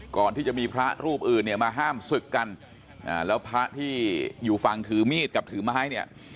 ก่อนที่จะมีพระรูปอื่นเนี่ยมาห้ามศึกกันแล้วพระที่อยู่ฝั่งถือมีดกับถือไม้เนี่ย